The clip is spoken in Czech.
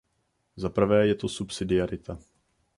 Zaprvé je to subsidiarita.